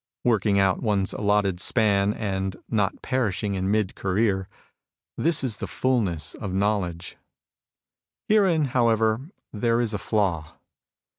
Working out one's allotted span, and not perishing in mid career, — ^this is the fulness of knowledge. Herein, however, there is a flaw.